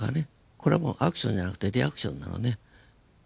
これはアクションじゃなくてリアクションなのね。